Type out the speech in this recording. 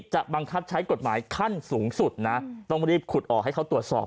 บังคับใช้กฎหมายขั้นสูงสุดนะต้องรีบขุดออกให้เขาตรวจสอบ